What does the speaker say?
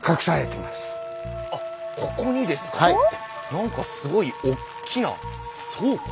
何かすごいおっきな倉庫？